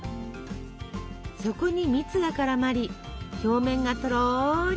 そこに蜜が絡まり表面がとろり。